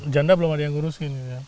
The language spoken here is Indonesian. janda belum ada yang ngurusin